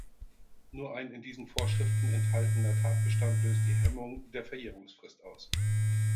Nur ein in diesen Vorschriften enthaltener Tatbestand löst die Hemmung der Verjährungsfrist aus.